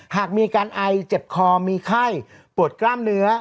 หากมีอาการไอเจ็บคอมีไข้ปวดกล้ามเนื้อ